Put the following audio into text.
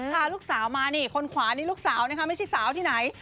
พาลูกสาวมานี่คนขวานี่ลูกสาวนะคะไม่ใช่สาวที่ไหน